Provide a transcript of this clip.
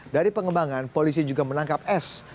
dari pengembangan polisi juga menangkap s